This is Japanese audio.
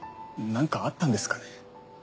なんかあったんですかね。